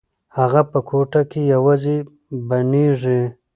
هغه په کوټه کې یوازې بڼیږي.